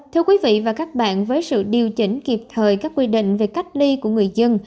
thưa quý vị và các bạn với sự điều chỉnh kịp thời các quy định về cách ly của người dân